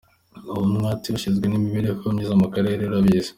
Umwe ati ‘ Ushinzwe imibereho myiza mu karere arabizi .